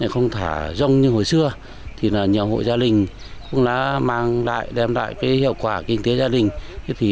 không thả rong như hồi xưa nhiều hộ gia đình cũng đem lại hiệu quả kinh tế gia đình